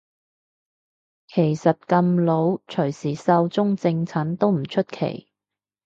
其實咁老隨時壽終正寢都唔出奇